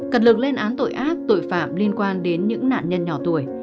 cật lực lên án tội ác tội phạm liên quan đến những nạn nhân nhỏ tuổi